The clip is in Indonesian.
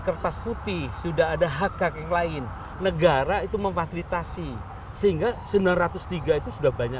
kertas putih sudah ada hak hak yang lain negara itu memfasilitasi sehingga sembilan ratus tiga itu sudah banyak